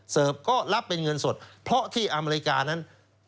ก็รับเป็นเงินสดเพราะที่อเมริกานั้น